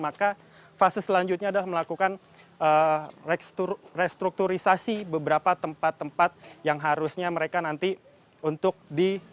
maka fase selanjutnya adalah melakukan restrukturisasi beberapa tempat tempat yang harusnya mereka nanti untuk di